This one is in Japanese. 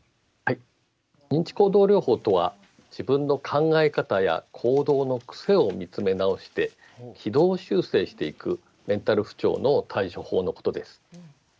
認知行動療法とは自分の考え方や行動の癖を見つめ直して軌道修正していくメンタル不調の対処法のことです。